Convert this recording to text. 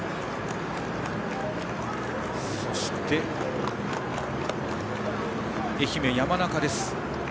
そして愛媛、山中です。